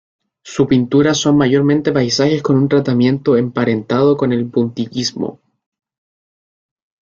Su pintura son mayormente paisajes con un tratamiento emparentado con el puntillismo.